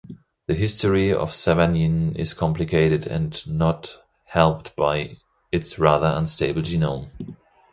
The history of Savagnin is complicated and not helped by its rather unstable genome.